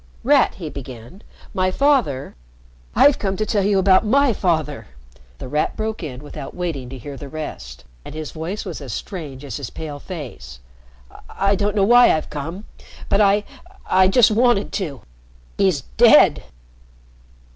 "Rat," he began, "my father " "I've come to tell you about my father," The Rat broke in without waiting to hear the rest, and his voice was as strange as his pale face. "I don't know why I've come, but I I just wanted to. He's dead!"